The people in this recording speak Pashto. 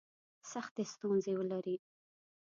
سختي ستونزي ولري.